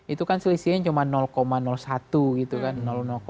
itu kan selisihnya cuma satu gitu kan